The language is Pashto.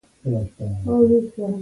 دا باید د یوه جدي شعور په توګه واخلو.